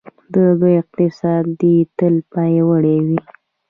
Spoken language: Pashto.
د دوی اقتصاد دې تل پیاوړی وي.